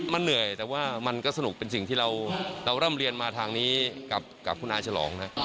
มันเหนื่อยแต่ว่ามันก็สนุกเป็นสิ่งที่เราร่ำเรียนมาทางนี้กับคุณอาฉลองนะ